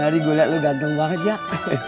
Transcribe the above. hari gue liat lo ganteng banget jack